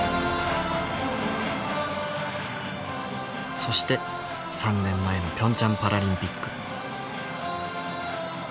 そして３年前のピョンチャンパラリンピック。